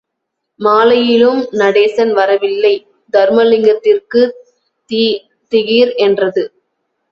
மாலையிலும் நடேசன் வரவில்லை, தருமலிங்கத்திற்குத் திகீர் என்றது.